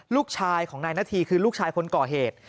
ลูกชายของนายนาธีคือลูกชายคนก่อเหตุ